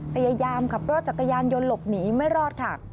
พยายามขับรถจักรยานยนต์หลบหนีไม่รอดค่ะ